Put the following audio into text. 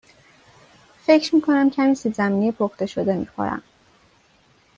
فکر می کنم کمی سیب زمینی پخته شده می خورم.